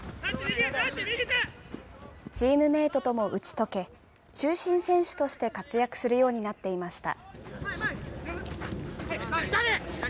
チームメートとも打ち解け、中心選手として活躍するようになっていました。